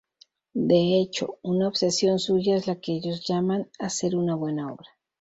De hecho, una obsesión suya es lo que ellos llaman "Hacer una buena obra".